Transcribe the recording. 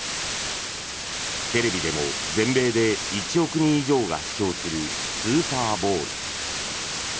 テレビでも全米で１億人以上が視聴するスーパーボウル。